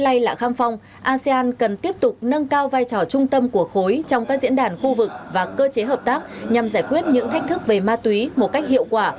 asean cần tiếp tục nâng cao vai trò trung tâm của khối trong các diễn đàn khu vực và cơ chế hợp tác nhằm giải quyết những thách thức về ma túy một cách hiệu quả